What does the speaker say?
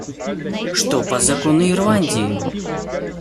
Что по закону Ирландии?